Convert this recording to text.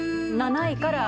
７位から。